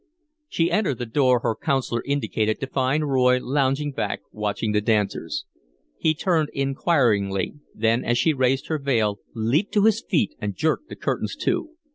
She entered the door her counsellor indicated to find Roy lounging back watching the dancers. He turned inquiringly then, as she raised her veil, leaped to his feet and jerked the curtains to.